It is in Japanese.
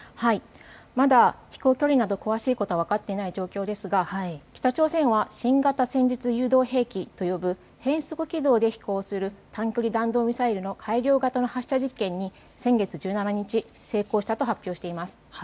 まだ飛行距離など詳しいことは分かっていない状況ですが北朝鮮は新型誘導兵器という変則軌道で航行する短距離弾道ミサイルの改良型発射実験に先月１７日、成功したと発表しています。